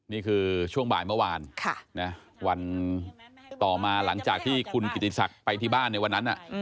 นี่คือช่วงบ่ายเมื่อวานวันต่อมาหลังจากที่คุณกิติศักดิ์ไปที่บ้านในวันนั้น